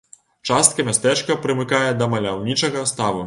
Частка мястэчка прымыкае да маляўнічага ставу.